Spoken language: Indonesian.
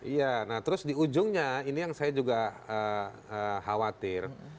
iya nah terus di ujungnya ini yang saya juga khawatir